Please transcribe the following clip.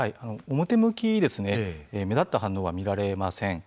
表向き、目立った反応は見られません。